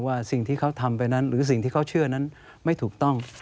สิ่งที่เขาทำไปนั้นหรือสิ่งที่เขาเชื่อนั้นไม่ถูกต้อง